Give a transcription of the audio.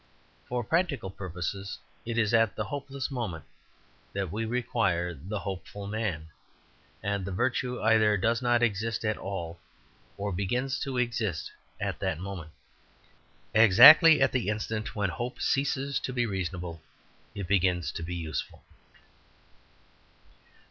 For practical purposes it is at the hopeless moment that we require the hopeful man, and the virtue either does not exist at all, or begins to exist at that moment. Exactly at the instant when hope ceases to be reasonable it begins to be useful.